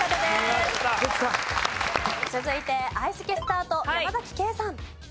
続いて相席スタート山ケイさん。